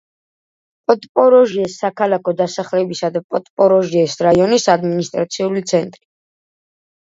პოდპოროჟიეს საქალაქო დასახლებისა და პოდპოროჟიეს რაიონის ადმინისტრაციული ცენტრი.